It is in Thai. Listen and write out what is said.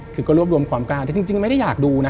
คือก็รวบรวมความกล้าแต่จริงไม่ได้อยากดูนะ